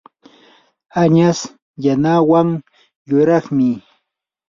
añas yanawan yuraqmi.